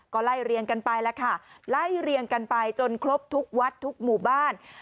ก็ไล่เรียงกันไปแล้วค่ะไล่เรียงกันไปจนครบทุกวัดทุกหมู่บ้าน